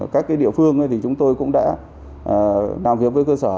các địa phương thì chúng tôi cũng đã làm việc với cơ sở